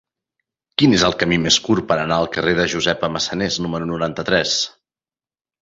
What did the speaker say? Quin és el camí més curt per anar al carrer de Josepa Massanés número noranta-tres?